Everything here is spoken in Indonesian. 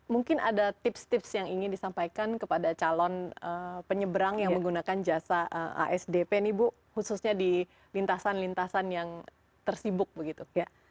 mungkin ada tips tips yang ingin disampaikan kepada calon penyeberang yang menggunakan jasa asdp nih bu khususnya di lintasan lintasan yang tersibuk begitu